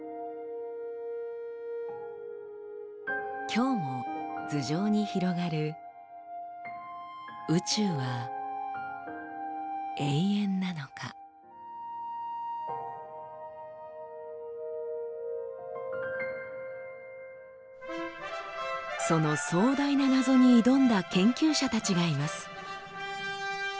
今日も頭上に広がるその壮大な謎に挑んだ研究者たちがいます。